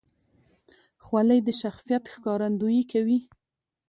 خولۍ د شخصیت ښکارندویي کوي.